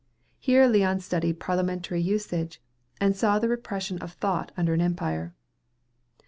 Here Leon studied parliamentary usage, and saw the repression of thought under an empire.